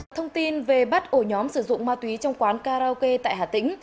thông tin về bắt ổ nhóm sử dụng ma túy trong quán karaoke tại hà tĩnh